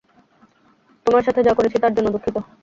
তোমার সাথে যা করেছি তার জন্য দুঃখিত।